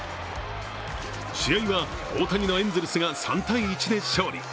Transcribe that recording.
試合は大谷のエンゼルスが３−１で勝利。